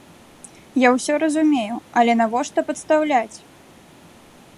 Я ўсё разумею, але навошта падстаўляць!